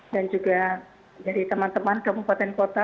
dan juga dari teman teman ke bupaten kota